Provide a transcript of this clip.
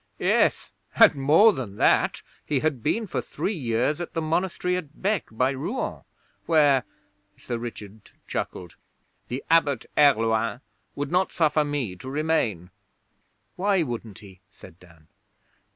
'Yes, and more than that. He had been for three years at the monastery at Bec by Rouen, where' Sir Richard chuckled 'the Abbot Herluin would not suffer me to remain.' 'Why wouldn't he?' said Dan.